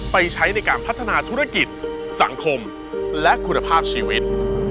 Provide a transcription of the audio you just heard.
ใช้ในการพัฒนาธุรกิจสังคมและคุณภาพชีวิต